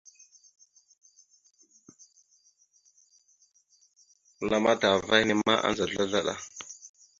Məlam atah ava henne ma, adza slaslaɗa.